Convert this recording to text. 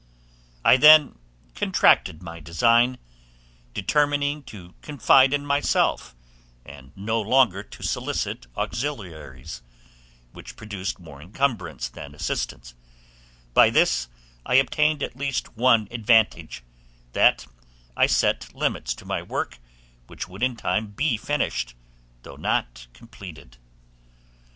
I then contracted my design, determining to confide in myself, and no longer to solicit auxiliaries which produced more incumbrance than assistance; by this I obtained at least one advantage, that I set limits to my work, which would in time be ended, though not completed.